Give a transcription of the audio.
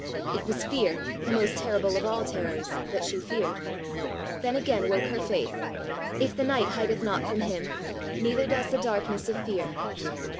It was fear, the most terrible of all terrors, that she feared. Then again woke her faith: if the night hideth not from him, neither does the darkness of fear!